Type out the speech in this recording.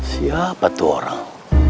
siapa tuh orang